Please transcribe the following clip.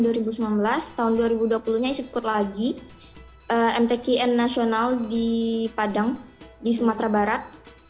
tahun dua ribu dua puluh nya ikut lagi mtkn nasional di padang di sumatera barat